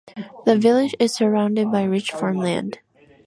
The village is surrounded by rich farmland.